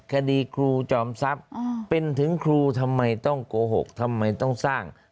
คดีครูจอมทรัพย์เป็นถึงครูทำไมต้องโกหกทำไมต้องสร้าง